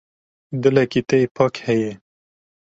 Dilekî te yê pak heye.